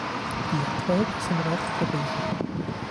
Die Erträge sind recht gering.